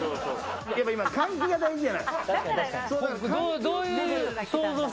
今、換気が大事じゃない。